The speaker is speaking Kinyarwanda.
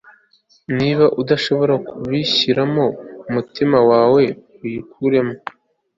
niba udashobora kubishyiramo umutima wawe, iyikuremo